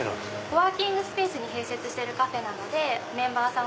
コワーキングスペースに併設してるカフェでメンバーさん